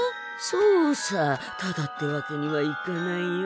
そうさただってわけにはいかないよ。